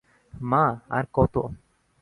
মা, আর কত!